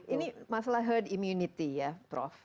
ini masalah herd immunity ya prof